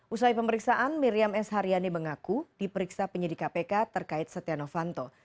usai pemeriksaan miriam s haryani mengaku diperiksa penyidik kpk terkait setia novanto